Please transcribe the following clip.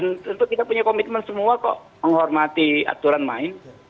dan tentu kita punya komitmen semua kok menghormati aturan main